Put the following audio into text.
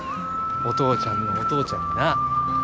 お父ちゃんのお父ちゃんにな。